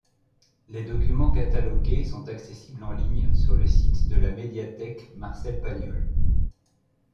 Les documents catalogués sont accessibles en ligne sur le site de la médiathèque Marcel-Pagnol.